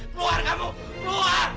keluar kamu keluar